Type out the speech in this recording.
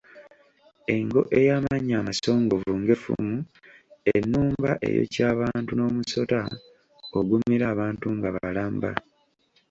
Engo ey'amannyo amasongovu ng'effumu, ennumba eyokya abantu n'omusota ogumira abantu nga balamba.